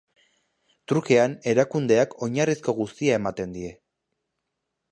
Trukean, erakundeak oinarrizko guztia ematen die.